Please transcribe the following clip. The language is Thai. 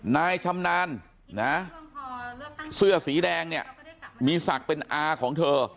นายชำนาญนะเสื้อสีแดงเนี่ยมีศักดิ์เป็นอาของเธอ